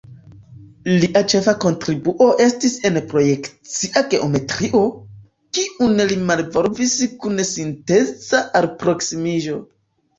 Lia ĉefa kontribuo estis en projekcia geometrio, kiun li malvolvis kun sinteza alproksimiĝo.